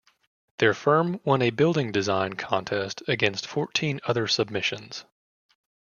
Their firm won a building design contest against fourteen other submissions.